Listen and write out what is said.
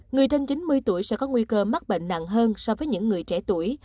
người thân chín mươi tuổi sẽ có nguy cơ mắc bệnh nặng hơn so với những người trẻ tuổi